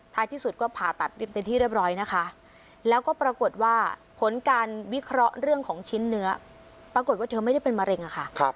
ที่สุดก็ผ่าตัดเป็นที่เรียบร้อยนะคะแล้วก็ปรากฏว่าผลการวิเคราะห์เรื่องของชิ้นเนื้อปรากฏว่าเธอไม่ได้เป็นมะเร็งอะค่ะ